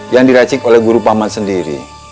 yang diracik oleh guru paman sendiri